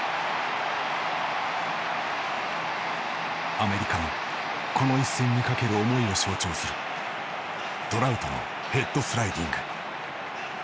アメリカのこの一戦に懸ける思いを象徴するトラウトのヘッドスライディング。